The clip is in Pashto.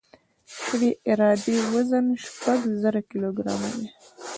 د یوې عرادې وزن شپږ زره کیلوګرام دی